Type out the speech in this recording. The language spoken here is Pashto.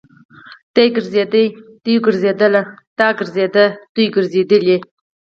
دی ګرځي. دوی ګرځيدل. دا ګرځيده. دوی ګرځېدلې.